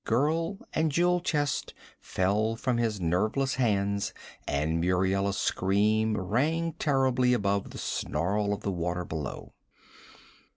Girl and jewel chest fell from his nerveless hands and Muriela's scream rang terribly above the snarl of the water below.